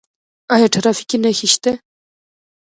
آیا ټرافیکي نښې شته؟